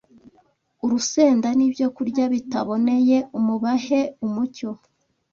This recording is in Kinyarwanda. urusenda n’ibyokurya bitaboneye, mubahe umucyo